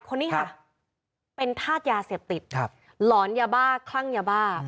คนนี้ค่ะเป็นธาตุยาเสพติดหลอนยาบ้าคลั่งยาบ้า